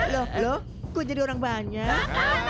loh loh kok jadi orang banyak